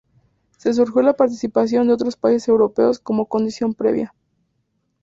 Se sugirió la participación de otros países europeos como condición previa.